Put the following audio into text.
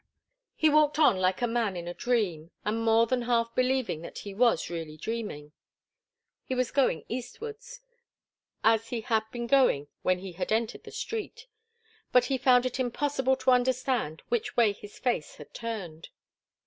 He walked on like a man in a dream, and more than half believing that he was really dreaming. He was going eastwards, as he had been going when he had entered the street, but he found it impossible to understand which way his face was turned.